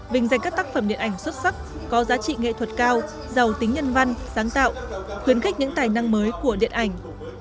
vinh danh các tác phẩm điện ảnh xuất sắc có giá trị nghệ thuật cao giàu tính nhân văn sáng tạo khuyến khích những tài năng mới của điện ảnh